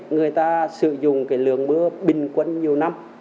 người ta sử dụng cái lường mưa bình quân nhiều năm